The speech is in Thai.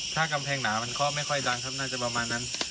ถ้ากำแพงหนามันก็ไม่ค่อยดังครับน่าจะประมาณนั้น